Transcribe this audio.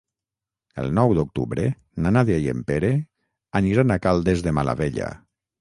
El nou d'octubre na Nàdia i en Pere aniran a Caldes de Malavella.